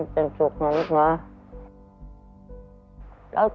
จึงเหมาะฮะ